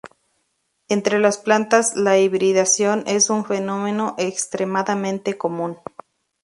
Entre las plantas la hibridación es un fenómeno extremadamente común.